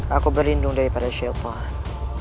aku berlindung daripada syaitan